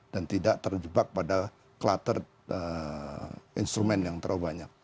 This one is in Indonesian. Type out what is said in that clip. dan tidak terjebak pada cluttered instrument yang terlalu banyak